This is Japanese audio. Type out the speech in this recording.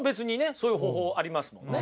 そういう方法ありますもんね。